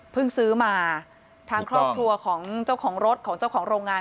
ซื้อมาทางครอบครัวของเจ้าของรถของเจ้าของโรงงาน